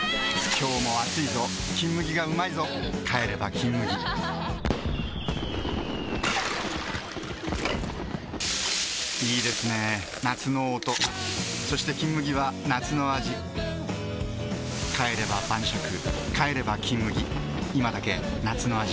今日も暑いぞ「金麦」がうまいぞ帰れば「金麦」いいですね夏の音そして「金麦」は夏の味帰れば晩酌帰れば「金麦」いまだけ夏の味